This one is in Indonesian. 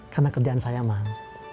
karena kerjaan saya mahal